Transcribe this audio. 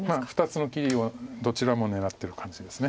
２つの切りをどちらも狙ってる感じです。